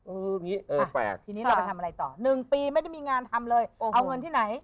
อย่างนี้เออแปลกทีนี้เราไปทำอะไรต่อ๑ปีไม่ได้มีงานทำเลยเอาเงินที่ไหน